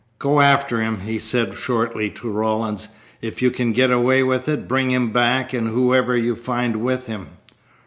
"Go after him," he said shortly to Rawlins. "If you can get away with it bring him back and whoever you find with him."